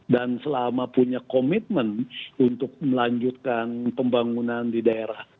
dan selama punya komitmen untuk melanjutkan pembangunan di daerah